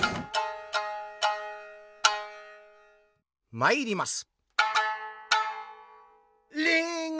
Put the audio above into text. まいります。